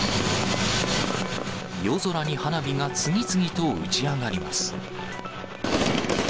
夜空に花火が次々と打ち上がります。